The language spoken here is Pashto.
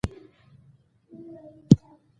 لکه ډبرې، خاورې، شیشه او فلزات موجود نه وي.